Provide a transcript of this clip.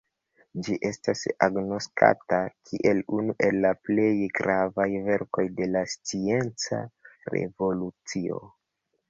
Ĝi estas agnoskata kiel unu el la plej gravaj verkoj de la Scienca revolucio.